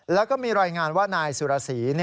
แล้วก็มีรายงานว่านายสุรสี